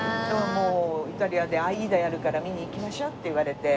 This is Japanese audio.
「イタリアで『アイーダ』やるから見に行きましょう」って言われて。